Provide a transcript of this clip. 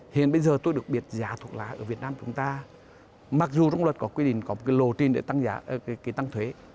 hiện bây giờ tôi được biết giá thuốc lá ở việt nam chúng ta mặc dù trong luật có quy định có một cái lô trình để tăng giá tăng thuế